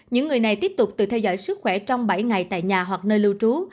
những người này tiếp tục tự theo dõi sức khỏe trong bảy ngày tại nhà hoặc nơi lưu trú